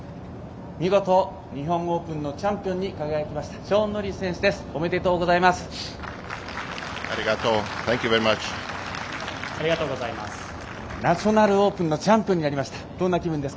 見事、日本オープンのチャンピオンに輝きましたショーン・ノリス選手です。